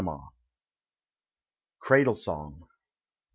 13 CRADLE SONG.